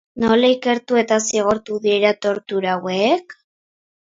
Nola ikertu eta zigortu dira tortura hauek?